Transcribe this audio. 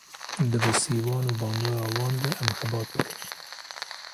Di bi sîvan û bandora wan de em xebat bikin